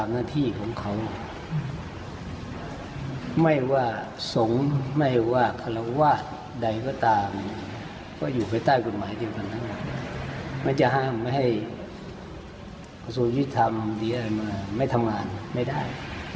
มันก็ไม่ว่าคอขี้เห็นอะไร